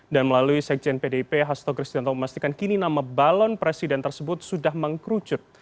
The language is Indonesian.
dan melalui sekjen pdip hastogris tanto memastikan kini nama balon presiden tersebut sudah mengkerucut